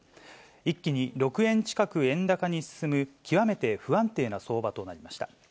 一気に６円近く円高に進む、極めて不安定な相場となりました。